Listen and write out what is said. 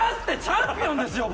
チャンピオンですよ？